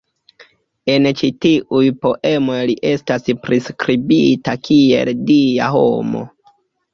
En ĉi tiuj poemoj li estas priskribita kiel dia homo.